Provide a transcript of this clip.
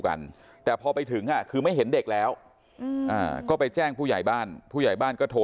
แล้วน้องอีกคนหนึ่งจะขึ้นปรากฏว่าต้องมาจมน้ำเสียชีวิตทั้งคู่